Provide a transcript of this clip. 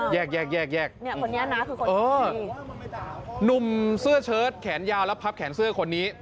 แยกนุ่มเสื้อเชิ้ตแขนยาวแล้วพับแขนเสื้อคนนี้